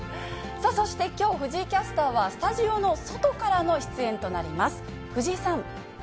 そしてきょう、藤井キャスターはスタジオの外からの出演となります。